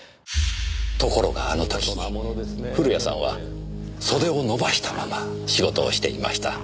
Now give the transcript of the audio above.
ところがあの時古谷さんは袖を伸ばしたまま仕事をしていました。